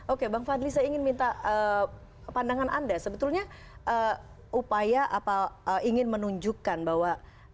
oke bang fadli saya ingin minta pandangan anda sebetulnya upaya apa ingin menunjukkan bahwa